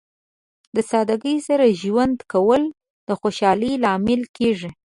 د سادګۍ سره ژوند کول د خوشحالۍ لامل کیږي.